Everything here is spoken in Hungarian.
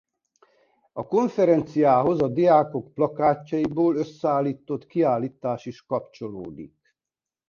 A konferenciához a diákok plakátjaiból összeállított kiállítás is kapcsolódik.